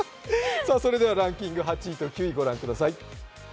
ランキング、８位と９位ご覧ください。